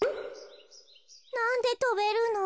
なんでとべるの？